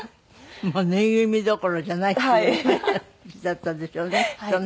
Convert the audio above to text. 縫いぐるみどころじゃないっていう感じだったでしょうねきっとね。